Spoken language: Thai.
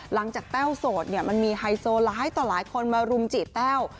แต้วโสดเนี่ยมันมีไฮโซร้ายต่อหลายคนมารุมจีบแต้ว